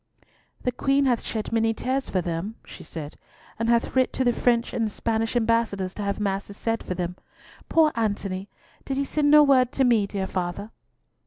"The Queen hath shed many tears for them," she said, "and hath writ to the French and Spanish ambassadors to have masses said for them. Poor Antony! Did he send no word to me, dear father?"